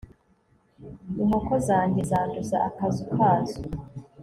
inkoko zanjye zanduza akazu kazo